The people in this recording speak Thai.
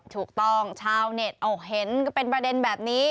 ถูกต้องชาวเน็ตอ้อเห็นก็เป็นประเด็นแบบนี้